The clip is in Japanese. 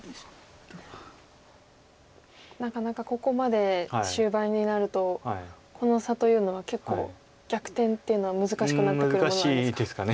なかなかここまで終盤になるとこの差というのは結構逆転っていうのは難しくなってくるものなんですか。